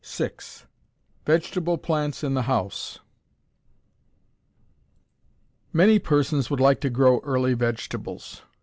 VI VEGETABLE PLANTS IN THE HOUSE Many persons would like to grow early vegetables.